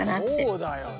そうだよね。